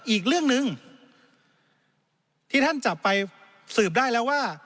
อีกเรื่องหนึ่งที่ท่านจับไปสืบได้แล้วว่า